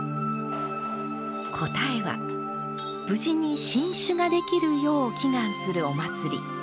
答えは無事に新酒ができるよう祈願するお祭り。